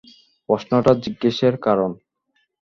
প্রশ্নটা জিজ্ঞেসের কারণ?